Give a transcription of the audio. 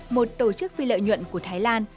một tổ chức phi lợi nhuận của thái lan